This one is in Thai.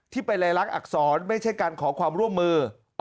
ที่เป็นรายลักษณอักษรไม่ใช่การขอความร่วมมือ